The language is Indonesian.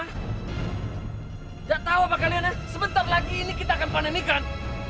tidak tahu apakah kalian sebentar lagi kita akan pandang ikan